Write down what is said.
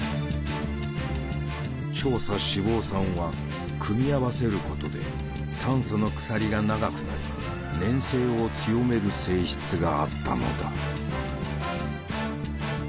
長鎖脂肪酸は組み合わせることで炭素の鎖が長くなり粘性を強める性質があったのだ。